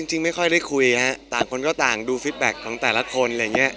เอ่อจริงไม่ค่อยได้คุยนะครับต่างคนก็ต่างก็ดูฟิตแบ็คของแต่ละคน